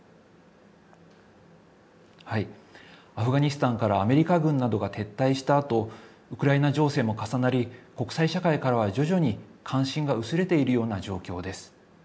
アフガニスタンからアメリカ軍などが撤退したあと、ウクライナ情勢も重なり、国際社会からは徐々に関心が薄れているような状況です。